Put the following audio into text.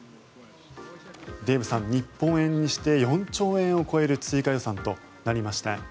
デーブさん、日本円にして４兆円を超える追加予算となりました。